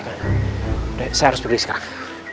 saya harus pergi sekarang